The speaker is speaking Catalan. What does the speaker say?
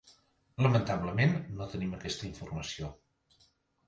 Lamentablement no tenim aquesta informació.